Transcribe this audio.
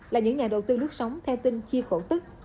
là những nhà đầu tư nước sống theo tin chia cổ tức